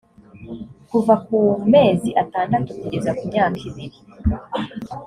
kuva ku mezi atandatu kugeza ku myaka ibiri